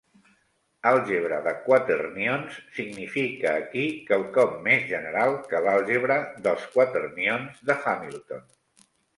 "Àlgebra de quaternions" significa aquí quelcom més general que l'àlgebra dels quaternions de Hamilton.